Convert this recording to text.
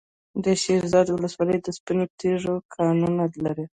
د شیرزاد ولسوالۍ د سپینو تیږو کانونه لري.